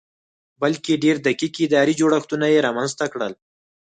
بلکې ډېر دقیق اداري جوړښتونه یې رامنځته کړل